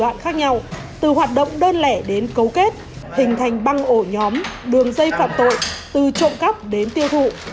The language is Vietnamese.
thủ đoạn khác nhau từ hoạt động đơn lẻ đến cấu kết hình thành băng ổ nhóm đường dây phạm tội từ trộm cắp đến tiêu thụ